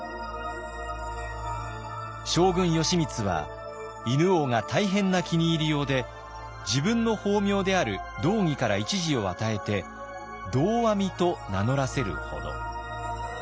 将軍義満は犬王が大変な気に入りようで自分の法名である「道義」から１字を与えて「道阿弥」と名乗らせるほど。